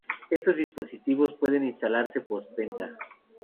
Estos dispositivos pueden instalarse post-venta.